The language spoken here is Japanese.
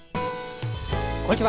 こんにちは。